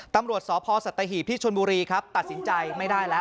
ตำรวจสพสัตหีบที่ชนบุรีครับตัดสินใจไม่ได้แล้ว